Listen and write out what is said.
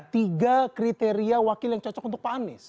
tiga kriteria wakil yang cocok untuk pak anies